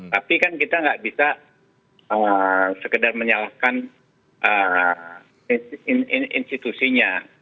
tapi kan kita nggak bisa sekedar menyalahkan institusinya